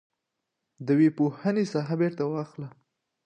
د ويي پوهنې ساحه بیرته واخله.